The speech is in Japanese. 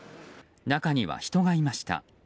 中には人がいました。